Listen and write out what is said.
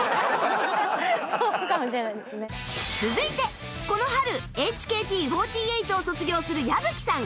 続いてこの春 ＨＫＴ４８ を卒業する矢吹さん